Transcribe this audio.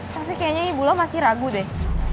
pasti kayaknya ibu lo masih ragu deh